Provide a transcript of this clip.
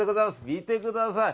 見てください。